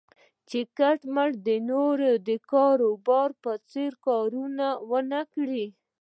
چې کټ مټ د نورو د کاروبار په څېر کارونه و نه کړي.